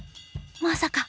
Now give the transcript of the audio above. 『まさか』